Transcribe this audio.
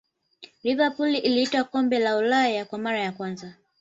liverpool ilitwaa kombe la ulaya kwa mara ya kwanza